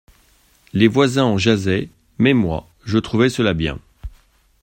Les voisins en jasaient, mais moi, je trouvais cela bien.